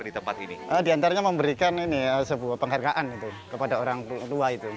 di antaranya memberikan sebuah penghargaan kepada orang tua